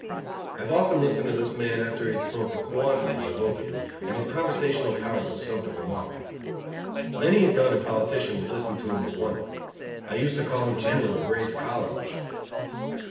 I have often listened to this man after he had smoked a quantity of opium, and his conversational powers were something remarkable. Many a gun and politician would listen to him with wonder. I used to call him General Brace Coleridge.